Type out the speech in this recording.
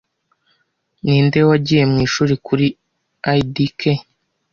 Ninde wagiye mwishuri kuri ldk